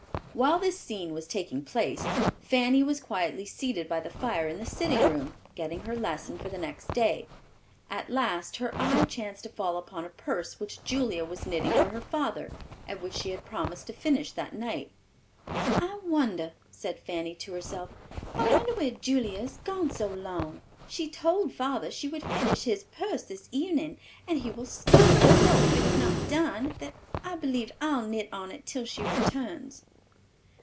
While this scene was taking place, Fanny was quietly seated by the fire in the sitting room, getting her lesson for the next day. At last her eye chanced to fall upon a purse which Julia was knitting for her father and which she had promised to finish that night. "I wonder," said Fanny to herself—"I wonder where Julia is gone so long? She told father she would finish his purse this evening, and he will scold so, if it is not done, that I believe I'll knit on it till she returns."